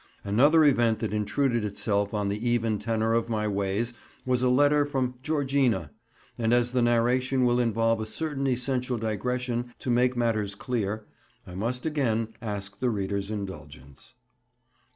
Another event that intruded itself on the even tenor of my ways was a letter from "Georgina"; and as the narration will involve a certain essential digression to make matters clear, I must again ask the reader's indulgence.